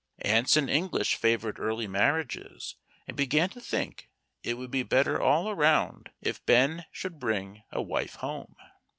Anson English favored early marriages, and began to think it would be better all around if Ben should bring a wife home.